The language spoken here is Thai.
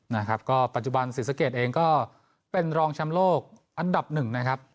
นะครับก็ปัจจุบันศรีสะเกดเองก็เป็นรองแชมป์โลกอันดับหนึ่งนะครับ